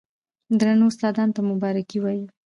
درنو استادانو ته مبارکي وايو،